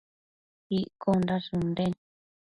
Iccondash ënden